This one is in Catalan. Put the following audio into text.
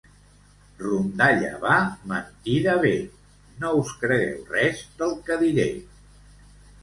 Rondalla va, mentida ve, no us cregueu res del que diré.